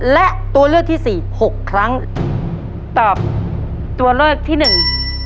และตัวเลือกที่สี่หกครั้งตอบตัวเลือกที่หนึ่ง